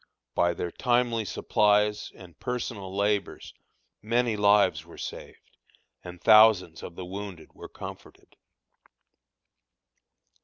By their timely supplies and personal labors many lives were saved, and thousands of the wounded were comforted.